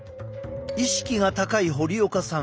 意識が高い堀岡さん。